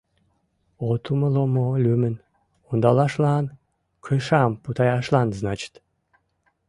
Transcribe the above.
От умыло мо, лӱмын, ондалашлан, кышам путаяшлан, значит...